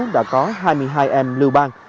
đã có hai mươi hai em lưu ban